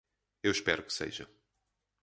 Eu espero que seja.